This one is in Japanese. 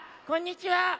こんにちは」。